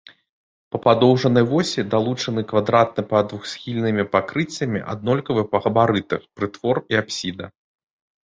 Па падоўжнай восі далучаны квадратныя пад двухсхільнымі пакрыццямі аднолькавыя па габарытах прытвор і апсіда.